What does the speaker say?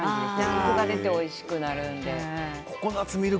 コクが出ておいしくなるので。